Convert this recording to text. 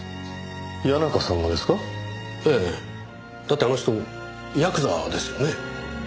だってあの人ヤクザですよね？